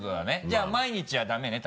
じゃあ毎日はダメね？